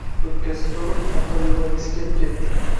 o‘pkasi to‘lib, hatto yig‘lagisi kelib ketdi.